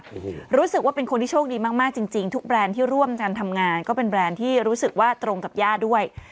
โอ้โหรู้สึกว่าเป็นคนที่โชคดีมากมากจริงจริงทุกแบรนด์ที่ร่วมกันทำงานก็เป็นแบรนด์ที่รู้สึกว่าตรงกับย่าด้วย